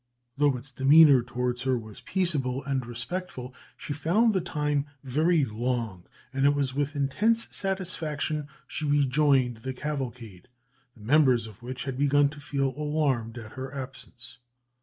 Though its demeanour towards her was peaceable and respectful, she found the time very long, and it was with intense satisfaction she rejoined the cavalcade, the members of which had begun to feel alarmed at her absence.